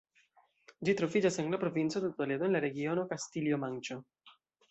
Ĝi troviĝas en la provinco de Toledo, en la regiono Kastilio-Manĉo.